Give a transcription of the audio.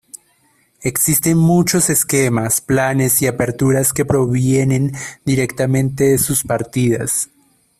Existen muchos esquemas, planes y aperturas que provienen directamente de sus partidas.